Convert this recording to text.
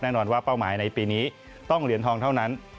แน่นอนว่าเป้าหมายในปีนี้ต้องเหรียญทองเท่านั้น